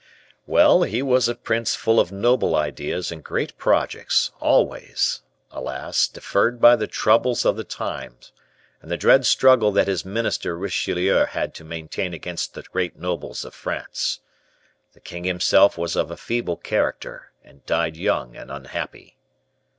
"Well, he was a prince full of noble ideas and great projects, always, alas! deferred by the trouble of the times and the dread struggle that his minister Richelieu had to maintain against the great nobles of France. The king himself was of a feeble character, and died young and unhappy."